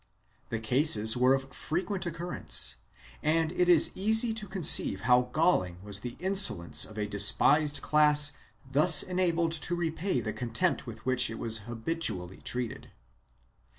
1 Such cases were of frequent occurrence and it is easy to conceive how galling was the insolence of a despised class thus enabled to repay the contempt with which it was habitually treated.